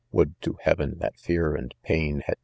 Would to heaven that fear and pain had